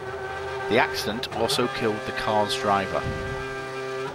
The accident also killed the car's driver.